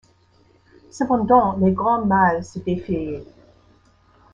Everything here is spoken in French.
Cependant les grands mâles se défiaient.